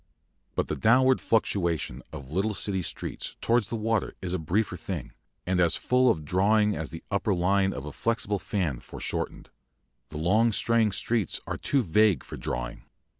But the downward fluctuation of little City streets towards the water is a briefer thing, and as full of drawing as the upper line of a flexible fan foreshortened. The long straying streets are too vague for drawing.